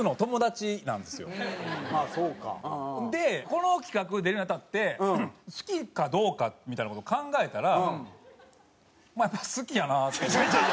この企画出るに当たって好きかどうかみたいな事を考えたらまあやっぱ好きやなっていう。